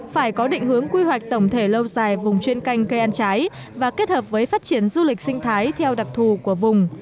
phải có định hướng quy hoạch tổng thể lâu dài vùng chuyên canh cây ăn trái và kết hợp với phát triển du lịch sinh thái theo đặc thù của vùng